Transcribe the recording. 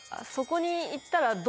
そこに行ったら。